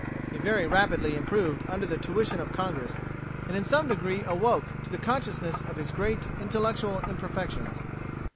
He very rapidly improved under the tuition of Congress; and in some degree awoke to the consciousness of his great intellectual imperfections.